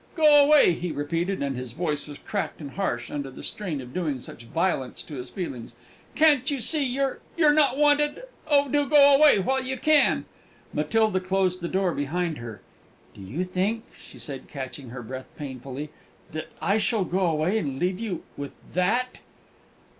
"Go away!" he repeated; and his voice was cracked and harsh, under the strain of doing such violence to his feelings. "Can't you see you're you're not wanted? Oh, do go away while you can!" Matilda closed the door behind her. "Do you think," she said, catching her breath painfully, "that I shall go away and leave you with That!"